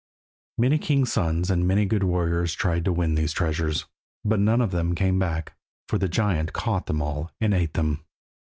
Many king's sons and many good warriors tried to win these treasures, but none of them came back, for the giant caught them all and eat them.